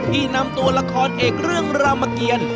ที่นำตัวละครเอกเรื่องรามเกียร